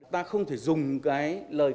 ta không thể dùng cái lời